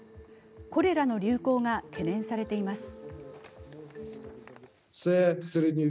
コレラの流行が懸念されています。